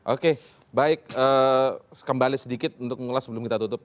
oke baik kembali sedikit untuk mengulas sebelum kita tutup